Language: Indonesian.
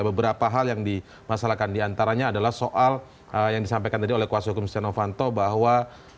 beberapa hal yang dimasalahkan diantaranya adalah soal yang disampaikan tadi oleh kuasa hukum setia novanto bahwa